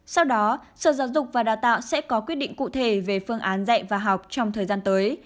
sau đó sở giáo dục và đào tạo sẽ có quyết định cụ thể về phương án dạy và học trong thời gian tới